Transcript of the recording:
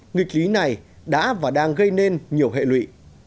nghịch lý này đã và đang gây nên nhiều hệ lụy